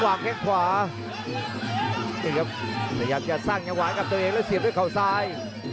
ว่างแค่ขวาขยับจะสร้างกับตนเองและเก็บด้วยข่าวซ้าย